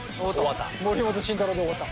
森本慎太郎で終わった。